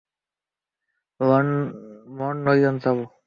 Mont লরিউর যাবো।